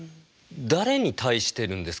誰に対してるんですかね？